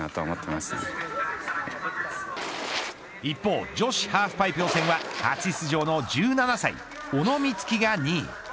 一方、女子ハーフパイプ予選は初出場の１７歳小野光希が２位。